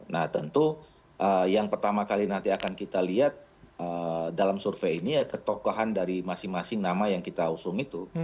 nah tentu yang pertama kali nanti akan kita lihat dalam survei ini ya ketokohan dari masing masing nama yang kita usung itu